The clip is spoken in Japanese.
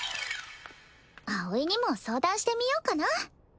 葵にも相談してみようかな